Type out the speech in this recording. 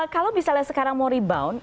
kalau misalnya sekarang mau rebound